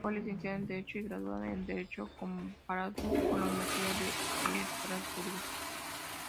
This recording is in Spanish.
Fue licenciada en Derecho y graduada en Derecho Comparado por la Universidad de Estrasburgo.